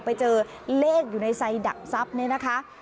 ไปเจอเลขอยู่ในไซดับซับนี่นะคะ